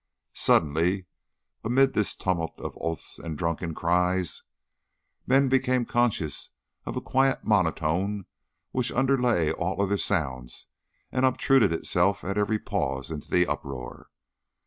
Suddenly, amid this tumult of oaths and drunken cries, men became conscious of a quiet monotone which underlay all other sounds and obtruded itself at every pause in the uproar.